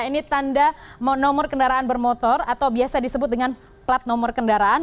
ini tanda nomor kendaraan bermotor atau biasa disebut dengan plat nomor kendaraan